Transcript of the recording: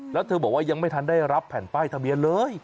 แล้วเธอบอกว่ายังไม่ทันได้รับแผ่นป้ายทะเบียนเลย